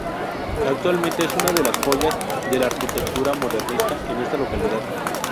Actualmente es una de las joyas de la arquitectura modernista en esta localidad.